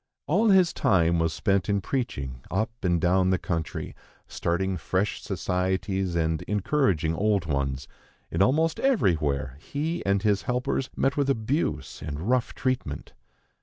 All his time was spent in preaching up and down the country, starting fresh societies, and encouraging old ones; and almost everywhere he and his helpers met with abuse and rough treatment.